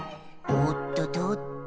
「おっととっと」